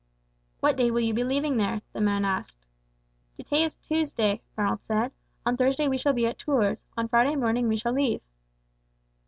"What day will you be leaving there?" the man asked. "Today is Tuesday," Ronald said; "on Thursday we shall be at Tours, on Friday morning we shall leave."